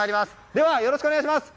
では、よろしくお願いします。